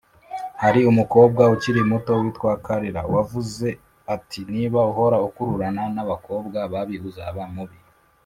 Hari umukobwa ukiri muto witwa Carla wavuze ati niba uhora ukururana n abakobwa babi uzaba mubi